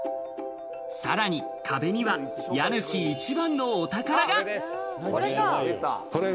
さらに壁には家主一番のお宝が。